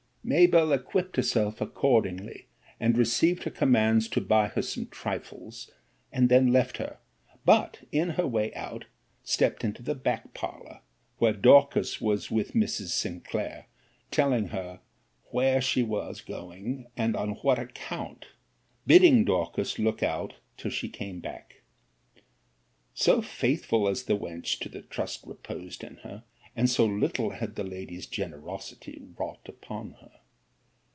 'Mabell equipped herself accordingly, and received her commands to buy her some trifles, and then left her; but in her way out, stept into the back parlour, where Dorcas was with Mrs. Sinclair, telling her where she was going, and on what account, bidding Dorcas look out till she came back. So faithful as the wench to the trust reposed in her, and so little had the lady's generosity wrought upon her.